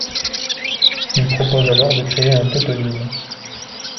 Il propose alors de créer un tautonyme.